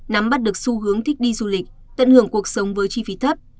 nắm bắt được xu hướng thích đi du lịch tận hưởng cuộc sống với chi phí thấp